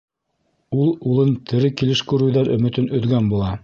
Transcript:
Ул улын тере килеш күреүҙән өмөтөн өҙгән була.